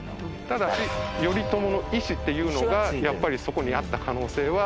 ただし頼朝の意志っていうのがやっぱりそこにあった可能性は。